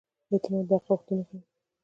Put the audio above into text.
اعتماد د حق غوښتنه کوي.